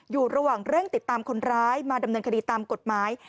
อยู่ระหว่างเร่งติดตามคนร้ายมาดำเนินคดีตามกฎหมาย